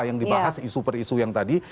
yang dibahas isu per isu yang tadi